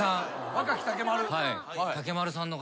若木竹丸。